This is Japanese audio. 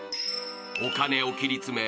［お金を切り詰め